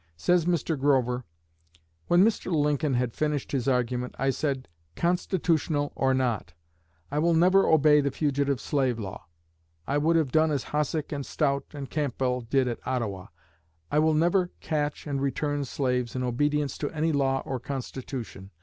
Says Mr. Grover: "When Mr. Lincoln had finished his argument I said, 'Constitutional or not, I will never obey the Fugitive Slave Law. I would have done as Hossack and Stout and Campbell did at Ottawa. I will never catch and return slaves in obedience to any law or constitution.